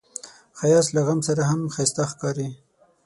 ښایست له غم سره هم ښايسته ښکاري